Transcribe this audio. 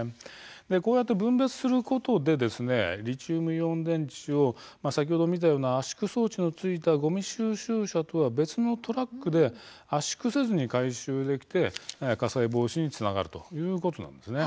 こうやって分別することでリチウムイオン電池を先ほど見たような圧縮装置のついたごみ収集車とは別のトラックで圧縮せずに回収できて火災防止につながるということなんです。